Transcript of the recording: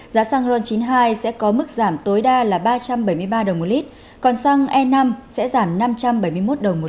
giá xăng ron chín mươi hai sẽ có mức giảm tối đa là ba trăm bảy mươi ba đồng một lít còn xăng e năm sẽ giảm năm trăm bảy mươi một đồng một lít